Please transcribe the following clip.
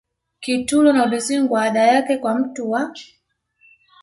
Kitulo na Udzungwa ada yake kwa mtu wa